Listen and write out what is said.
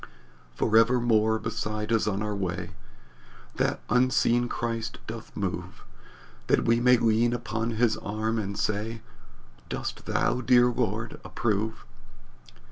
"Forever more beside us on our way, The unseen Christ doth move, That we may lean upon his arm and say, 'Dost thou, dear Lord, approve?'"